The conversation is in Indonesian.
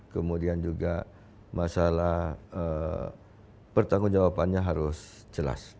kemudian juga masalah pertanggung jawabannya harus jelas